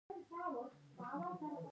ایا زه تلویزیوني معاینه کولی شم؟